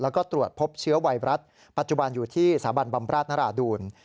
แล้วก็ตรวจพบเชื้อไวรัสปัจจุบันอยู่ที่สถาบันบำราชนราดูล